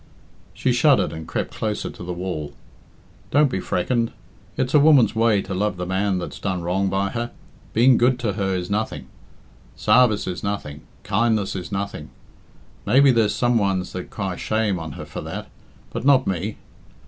She shuddered and crept closer to the wall. "Don't be freckened. It's a woman's way to love the man that's done wrong by her. Being good to her is nothing sarvice is nothing kindness is nothing. Maybe there's some ones that cry shame on her for that but not me.